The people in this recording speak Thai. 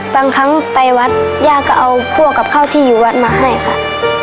บางครั้งไปวัดย่าก็เอาพวกกับข้าวที่อยู่วัดมาให้ค่ะ